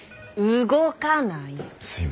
動かない。